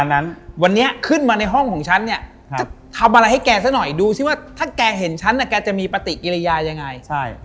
นั้นวันนี้ขึ้นมาในห้องของฉันเนี่ยจะทำอะไรให้แกซะหน่อยดูซิว่าถ้าแกเห็นฉันน่ะแกจะมีปฏิกิริยายังไงใช่